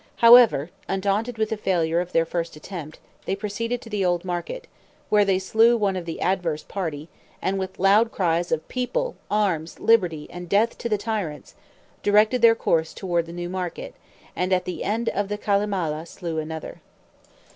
However, undaunted with the failure of their first attempt, they proceeded to the Old Market, where they slew one of the adverse party, and with loud cries of "people, arms, liberty, and death to the tyrants," directed their course toward the New Market, and at the end of the Calimala slew another.